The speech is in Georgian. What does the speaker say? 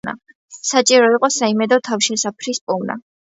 საჭირო იყო საიმედო თავშესაფრის პოვნა.